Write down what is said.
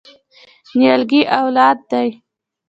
نیالګی اولاد دی؟